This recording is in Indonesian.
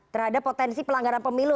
terhadap potensi pelanggaran pemilu